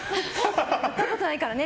跳んだことないからね。